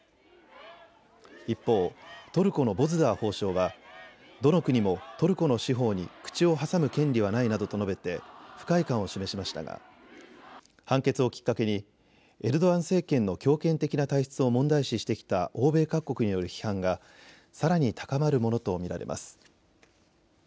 一方、トルコのボズダー法相はどの国もトルコの司法に口を挟む権利はないなどと述べて不快感を示しましたが判決をきっかけにエルドアン政権の強権的な体質を問題視してきた欧米各国による批判がさらに高まるものと見られます。